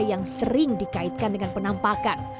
yang sering dikaitkan dengan penampakan